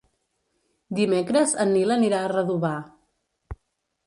Dimecres en Nil anirà a Redovà.